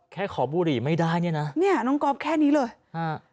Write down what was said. ขอบุหรี่ไม่ได้เนี่ยนะเนี่ยน้องก๊อฟแค่นี้เลยฮะ